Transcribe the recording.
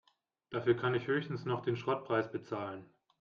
Dafür kann ich höchstens noch den Schrottpreis bezahlen.